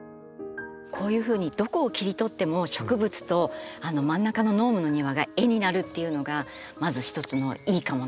こういうふうにどこを切り取っても植物とあの真ん中のノームの庭が絵になるっていうのがまず一つの「いいかも！」